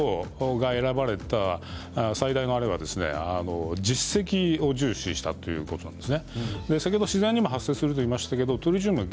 海洋放出を選ばれた最大の理由は実績を重視したということなんです。